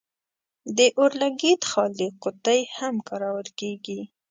د اور لګیت خالي قطۍ هم کارول کیږي.